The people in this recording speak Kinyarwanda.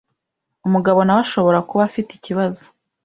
Umugabo nawe ashobora kuba afite ikibazo